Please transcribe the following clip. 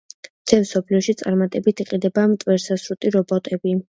მთელ მსოფლიოში წარმატებით იყიდება მტვერსასრუტი რობოტები.